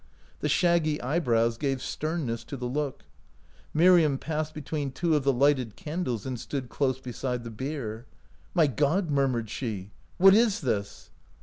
The shaggy eyebrows gave sternness to the look. Mir iam passed between two of the lighted can dles and stood close beside the bier. "'" My God !" murmured she, " what is this?